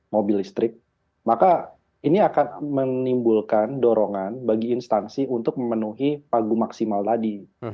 mobil listrik maka ini akan menimbulkan dorongan bagi instansi untuk memenuhi pagu maksimal tadi